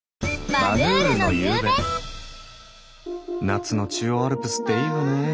夏の中央アルプスっていいわね。